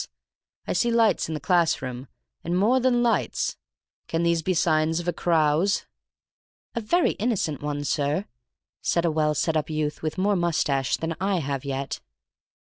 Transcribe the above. I see lights in the class room, and more than lights. Can these be signs of a carouse?" "A very innocent one, sir," said a well set up youth with more moustache than I have yet.